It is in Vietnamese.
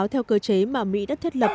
báo theo cơ chế mà mỹ đã thiết lập